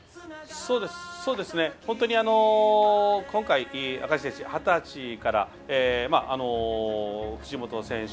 本当に今回、赤石選手二十歳から、藤本選手